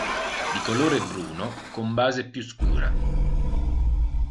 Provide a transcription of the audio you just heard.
Di colore bruno, con base più scura.